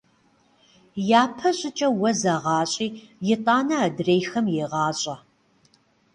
Япэ щӏыкӏэ уэ зэгъащӏи итӏанэ адрейхэм егъащӏэ.